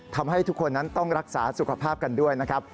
ทำให้ทุกคนนั้นต้องรักษาสุขภาพกันด้วยนะครับ